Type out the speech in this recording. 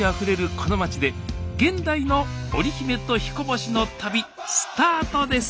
このまちで現代の織姫と彦星の旅スタートです